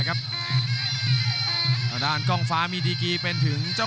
กรุงฝาพัดจินด้า